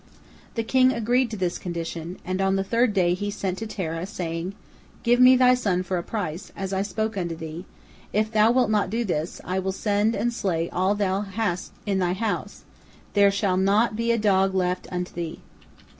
The king agreed to this condition, and on the third day he sent to Terah, saying, "Give me thy son for a price, as I spoke unto thee, and if thou wilt not do this, I will send and slay all thou hast in thy house, there shall not be a dog left unto thee."